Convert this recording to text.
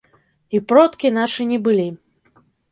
І продкі нашы не былі.